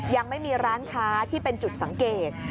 ยังไม่มีร้านค้าที่เป็นจุดสังเกต